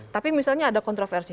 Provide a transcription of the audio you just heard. tapi misalnya ada kontroversi